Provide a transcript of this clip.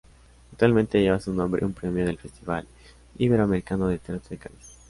Actualmente lleva su nombre un premio del Festival Iberoamericano de Teatro de Cádiz.